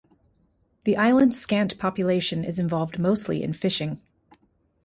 The island's scant population is involved mostly in fishing.